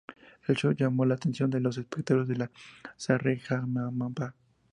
El show llamó la atención a los espectadores de Sa Re Ga Ma Pa.